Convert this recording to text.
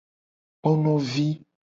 Kponovi.